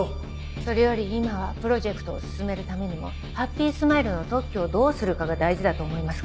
それより今はプロジェクトを進めるためにもハッピースマイルの特許をどうするかが大事だと思いますが。